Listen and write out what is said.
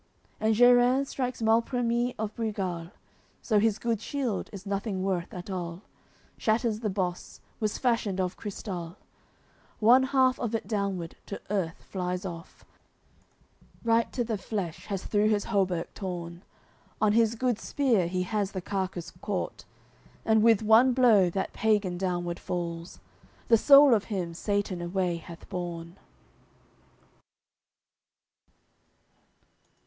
XCVI And Gerins strikes Malprimis of Brigal So his good shield is nothing worth at all, Shatters the boss, was fashioned of crystal, One half of it downward to earth flies off; Right to the flesh has through his hauberk torn, On his good spear he has the carcass caught. And with one blow that pagan downward falls; The soul of him Satan away hath borne.